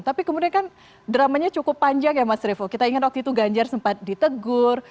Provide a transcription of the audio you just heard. tapi kemudian kan dramanya cukup panjang ya mas revo kita ingat waktu itu ganjar sempat ditegur